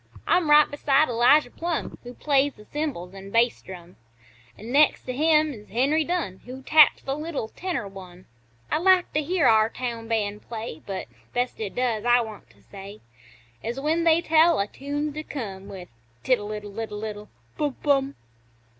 I'm right beside Elijah Plumb, Who plays th' cymbals an' bass drum; An' next to him is Henry Dunn, Who taps the little tenor one. I like to hear our town band play, But, best it does, I want to say, Is when they tell a tune's to come With "Tiddle iddle iddle iddle Bum Bum!"